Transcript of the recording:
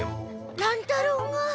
乱太郎が。